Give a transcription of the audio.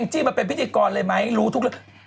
จี้มาเป็นพิธีกรเลยไหมรู้ทุกเรื่อง